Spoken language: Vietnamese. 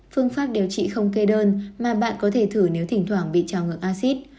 phương pháp điều trị không kê đơn mà bạn có thể thử nếu thỉnh thoảng bị trào ngược acid